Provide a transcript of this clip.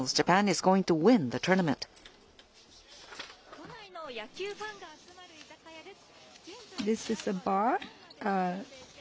都内の野球ファンが集まる居酒屋です。